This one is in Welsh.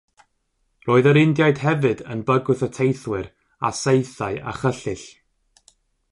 Roedd yr Indiaid hefyd yn bygwth y teithwyr â saethau a chyllyll.